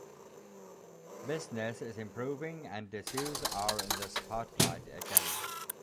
Business is improving and Dessous are in the spotlight again.